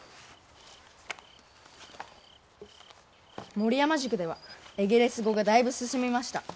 森山塾ではエゲレス語がだいぶ進みました。